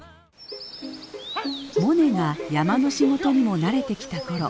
モネが山の仕事にも慣れてきた頃。